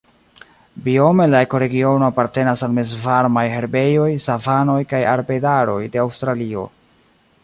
Biome la ekoregiono apartenas al mezvarmaj herbejoj, savanoj kaj arbedaroj de Aŭstralio.